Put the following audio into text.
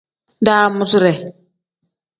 Daamuside.